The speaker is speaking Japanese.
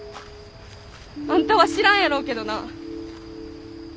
あんたは知らんやろうけどな。